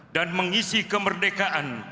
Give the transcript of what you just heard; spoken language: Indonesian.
dan mengisi kemerdekaan